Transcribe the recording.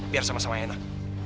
biar sama sama enak